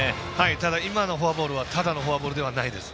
ただ、今のフォアボールはただのフォアボールではないです。